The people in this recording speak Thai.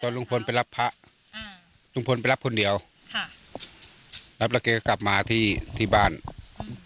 ลุงพลไปรับพระอ่าลุงพลไปรับคนเดียวค่ะรับแล้วแกก็กลับมาที่ที่บ้านครับ